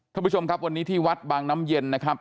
ท่านผู้ชมครับวันนี้ที่วัดบางน้ำเย็นนะครับ